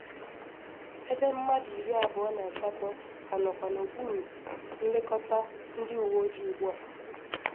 ebe mmadụ iri abụọ na asatọ ka nọkwa n'okpuru nlekọta ndị uweojii ugbua